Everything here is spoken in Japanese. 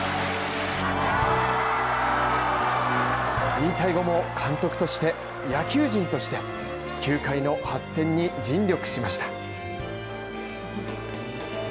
引退後も監督として、野球人として、球界の発展に尽力しました。